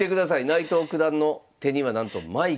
内藤九段の手にはなんとマイク。